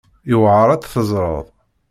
Yewɛer ad tt-teẓreḍ.